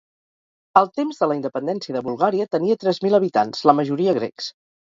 Al temps de la independència de Bulgària tenia tres mil habitants, la majoria grecs.